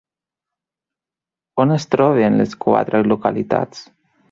On es troben les quatre localitats?